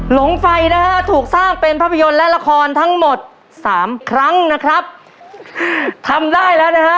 หลงไฟนะฮะถูกสร้างเป็นภาพยนตร์และละครทั้งหมดสามครั้งนะครับทำได้แล้วนะฮะ